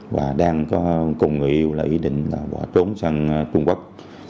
và đang cùng người yêu ý định trốn sang trung quốc